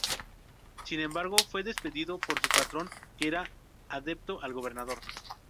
Sin embargo, fue despedido por su patrón que era adepto al gobernador.